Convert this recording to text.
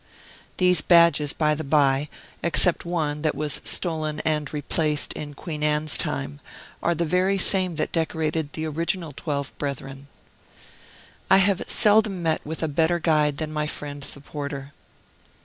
These badges, by the by, except one that was stolen and replaced in Queen Anne's time, are the very same that decorated the original twelve brethren. I have seldom met with a better guide than my friend the porter.